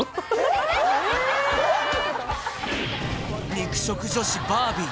肉食女子バービー